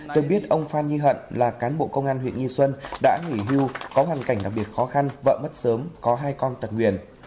được biết ông phan huy hận là cán bộ công an huyện nghi xuân đã nghỉ hưu có hoàn cảnh đặc biệt khó khăn vợ mất sớm có hai con tật nguyền